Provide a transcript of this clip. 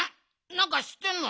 なんかしってんの？